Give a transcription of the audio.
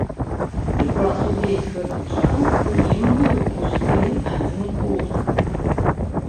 І праз увесь гэты час у ім быў пусты адзін кут.